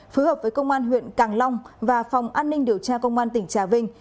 phối hợp với công an huyện càng long và phòng an ninh điều tra công an tỉnh trà vinh